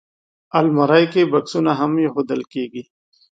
الماري کې بکسونه هم ایښودل کېږي